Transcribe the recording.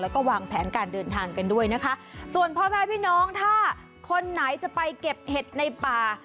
แล้วก็วางแผนการเดินทางกันด้วยนะคะส่วนพ่อแม่พี่น้องถ้าคนไหนจะไปเก็บเห็ดในป่า